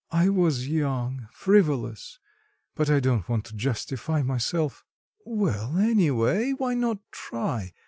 "I was young, frivolous. But I don't want to justify myself." "Well, anyway, why not try?